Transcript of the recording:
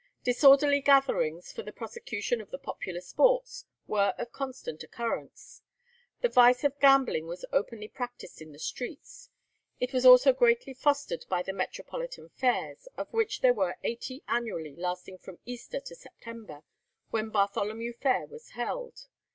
Disorderly gatherings for the prosecution of the popular sports were of constant occurrence. The vice of gambling was openly practised in the streets. It was also greatly fostered by the metropolitan fairs, of which there were eighty annually, lasting from Easter to September, when Bartholomew Fair was held.